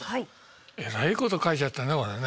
えらいこと書いちゃったね俺ね。